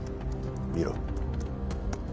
見ろ